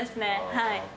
はい。